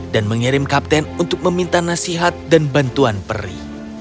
dan mengirim kapten untuk meminta nasihat dan bantuan peri